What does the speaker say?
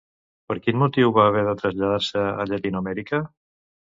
Per quin motiu va haver de traslladar-se a Llatinoamèrica?